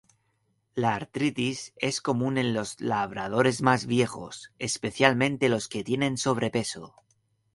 La artritis es común en los labradores más viejos, especialmente los que tienen sobrepeso.